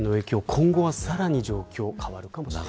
今後はさらに状況変わるかもしれません。